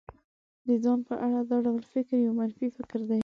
د ځان په اړه دا ډول فکر يو منفي فکر دی.